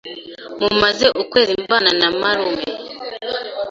Mumaze ukwezi mbana na marume.